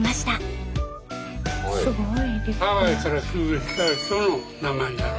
ハワイから寄付した人の名前じゃろ。